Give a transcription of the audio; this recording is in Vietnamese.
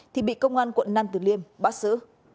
thì bị công an quận năm từ liêm bắt xử